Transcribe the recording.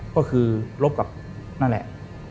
ก็คือลบกับนั่นแหละ